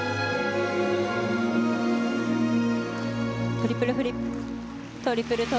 トリプルフリップトリプルトウループ。